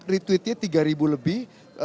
retweetnya tiga ribu lebih